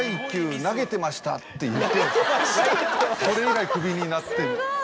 それ以来クビになって。